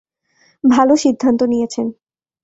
ভালো সিদ্ধান্ত নিয়েছেন!